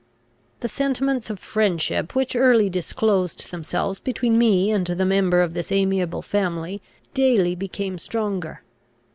The sentiments of friendship which early disclosed themselves between me and the member of this amiable family daily became stronger.